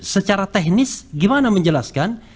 secara teknis gimana menjelaskan